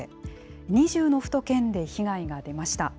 ２０の府と県で被害が出ました。